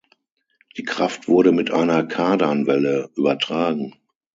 Die Kraft wurde mit einer Kardanwelle übertragen.